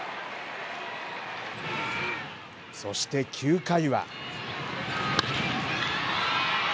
そして、９回は。